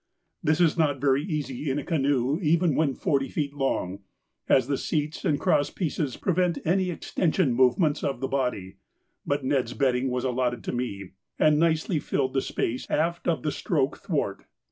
This is not very easy in a canoe even when forty feet long, as the seats and cross pieces prevent any extension movements of the body, but Ned's bedding was allotted to me, and nicely filled the space aft of the stroke thwart.